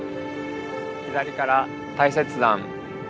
左から大雪山。